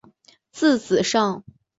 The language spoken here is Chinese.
字子上。